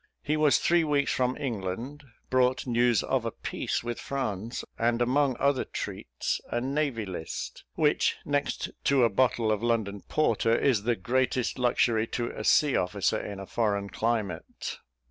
He was three weeks from England, brought news of a peace with France, and, among other treats, a navy list, which, next to a bottle of London porter, is the greatest luxury to a sea officer in a foreign climate.